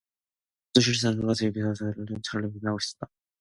북두칠성은 금강석을 바수어서 끼얹은 듯이 찬란히 빛나고 있다.